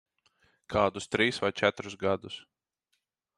Kādus trīs vai četrus gadus.